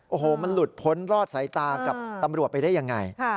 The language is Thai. โอ้โหมันหลุดพ้นรอดสายตากับตำรวจไปได้ยังไง